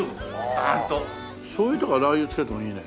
醤油とかラー油つけてもいいね。